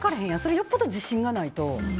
よっぽど自信がないと。